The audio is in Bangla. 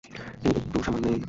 এই একটু সামনেই।